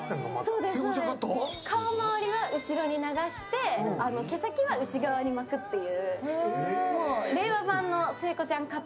顔周りは後ろに流して、毛先は内側に巻くっていう。